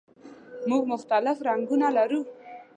موټر مختلف رنګونه لري.